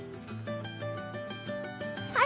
はい。